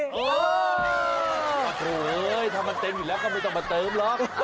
โอ้โหถ้ามันเต็มอยู่แล้วก็ไม่ต้องมาเติมหรอก